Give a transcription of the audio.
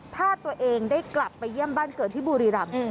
ถ้าตัวเองได้กลับไปเยี่ยมบ้านเกิดที่บุรีรำ